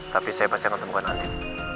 tapi saya pasti akan temukan andin